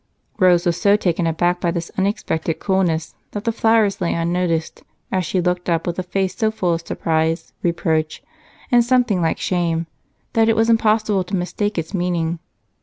Rose was so taken aback by this unexpected coolness that the flowers lay unnoticed as she looked up with a face so full of surprise, reproach, and something like shame that it was impossible to mistake its meaning.